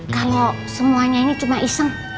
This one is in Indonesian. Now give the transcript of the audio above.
kalau semuanya ini cuma iseng